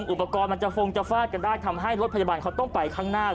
อุปกรณ์มันจะฟงจะฟาดกันได้ทำให้รถพยาบาลเขาต้องไปข้างหน้า